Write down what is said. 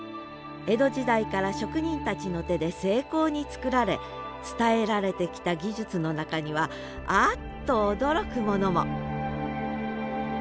江戸時代から職人たちの手で精巧に作られ伝えられてきた技術の中にはあっと驚くものも！